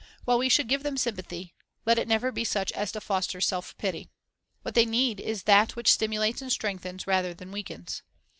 While we should give them sympathy, let it never be such as to foster self pity. What they need is that which stimulates and strengthens rather than weakens.